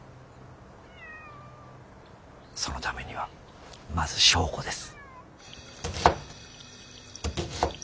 そのためにはまず証拠です。